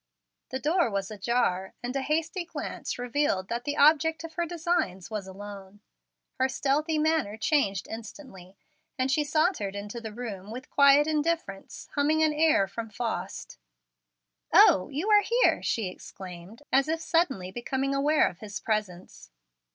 The door was ajar, and a hasty glance revealed that the object of her designs was alone. Her stealthy manner changed instantly, and she sauntered into the room with quiet indifference, humming an air from Faust. "O, you are here!" she exclaimed, as if suddenly becoming aware of his presence.